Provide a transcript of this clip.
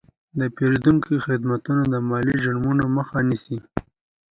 د پیرودونکو خدمتونه د مالي جرمونو مخه نیسي.